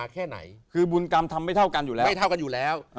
คือบูลกรรมไม่เท่ากันอยู่แล้ว